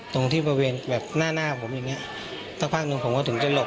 ตรงที่บริเวณแบบหน้าหน้าผมอย่างเงี้ยสักพักหนึ่งผมก็ถึงจะหลบ